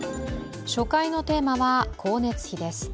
初回のテーマは光熱費です。